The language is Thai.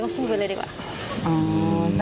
เมื่อกี้หรอที่ผ่านมา